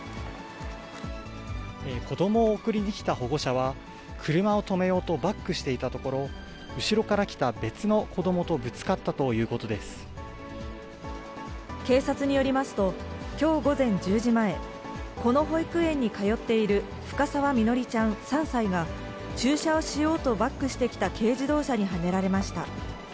子どもを送りに来た保護者は、車を止めようとバックしていたところ、後ろから来た別の子どもと警察によりますと、きょう午前１０時前、この保育園に通っている深澤みのりちゃん３歳が、駐車をしようとバックしてきた軽自動車にはねられました。